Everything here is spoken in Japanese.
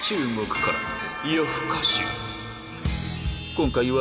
今回は